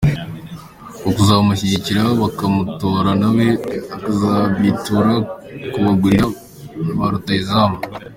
ukuzamushyigikira bakamutora na we akazabitura kubagurira barutahizamu.